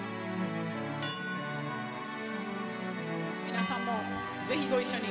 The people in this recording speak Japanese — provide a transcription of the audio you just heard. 皆さんもぜひご一緒に。